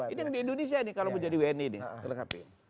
ini yang di indonesia nih kalau menjadi wni nih